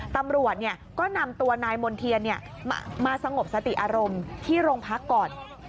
ตำรวจก็นำตัวนายมณ์เทียนมาสงบสติอารมณ์ที่โรงพักก่อน